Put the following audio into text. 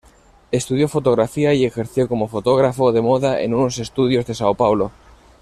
Estudió fotografía y ejerció como fotógrafo de moda en unos estudios de São Paulo.